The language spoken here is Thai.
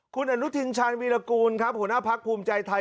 คุณอนุทินชาญวีรกูลครับหัวหน้าพักภูมิใจไทย